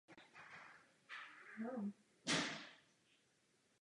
To nemůže být správné.